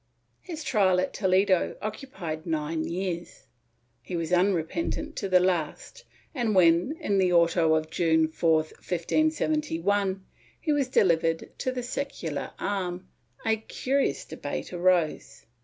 His trial at Toledo occupied nine years; he was unrepentant to the last and when, in the auto of June 4, 1571, he was delivered to the secular arm, a curious debate arose.